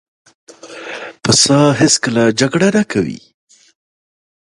پسه هېڅکله جګړه نه کوي.